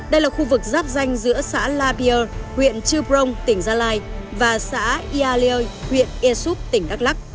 đây là khu vực giáp danh giữa xã la pierre huyện chư prong tỉnh gia lai và xã yalier huyện esup tỉnh đắk lắc